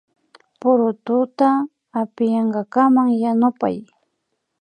Purututa apiyankakaman yanupay